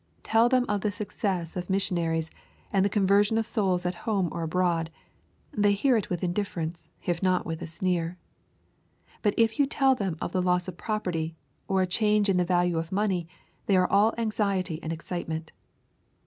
Tell them of the success of mis sionaries, and the conversion of souls at home or abroad, they hear it with indifference, if not with a sneer. But if you tell them of the loss of property, or a change in the value of money, they are all anxiety and excitement.